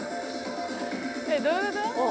えどういうこと？